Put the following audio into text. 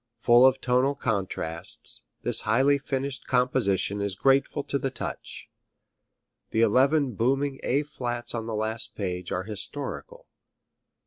Full of tonal contrasts, this highly finished composition is grateful to the touch. The eleven booming A flats on the last page are historical.